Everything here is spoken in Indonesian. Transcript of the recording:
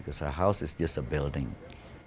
karena rumah itu hanya sebuah bangunan